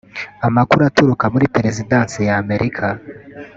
Amakuru aturuka muri Perezidansi ya Amerika